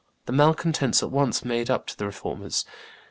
The malcontents at once made up to the Reformers.